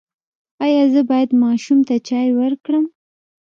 ایا زه باید ماشوم ته چای ورکړم؟